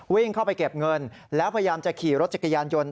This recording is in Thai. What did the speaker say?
วิ่งเข้าไปเก็บเงินแล้วพยายามจะขี่รถจักรยานยนต์